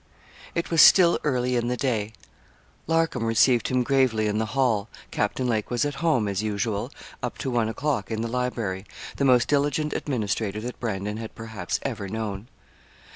It was still early in the day. Larcom received him gravely in the hall. Captain Lake was at home, as usual, up to one o'clock in the library the most diligent administrator that Brandon had perhaps ever known.